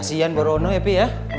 kasian bu rono epi ya